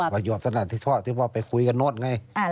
๒ครั้งเขาคุยกันเอง